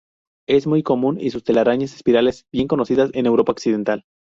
Es muy común y sus telarañas espirales bien conocidas en Europa occidental.